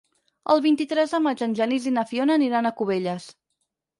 El vint-i-tres de maig en Genís i na Fiona aniran a Cubelles.